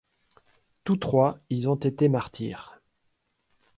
Tous trois, ils ont été martyrs.